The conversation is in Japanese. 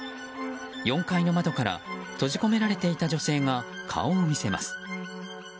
４階の窓から閉じ込められていた女性が顔を見せます。